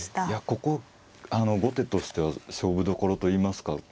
いやここ後手としては勝負どころといいますか。